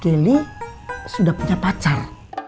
kelly sudah punya pacar